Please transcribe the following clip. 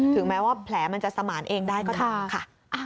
แม้ว่าแผลมันจะสมานเองได้ก็ตามค่ะ